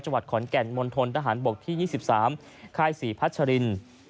วัดขอนแก่นมณฑนทหารบกที่๒๓ค่ายศรีพัชริน